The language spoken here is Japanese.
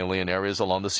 そうですね。